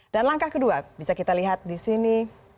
dan langkah kedua bisa kita lihat di sini